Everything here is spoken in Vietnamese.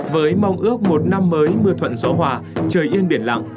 với mong ước một năm mới mưa thuận gió hòa trời yên biển lặng